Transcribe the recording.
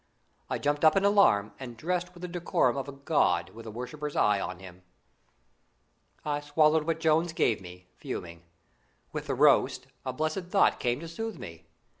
I jumped up in alarm, and dressed with the decorum of a god with a worshipper's eye on him. I swallowed what Jones gave me, fuming. With the roast, a blessed thought came to soothe me.